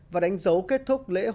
và đánh dấu kết thúc lễ yedan lada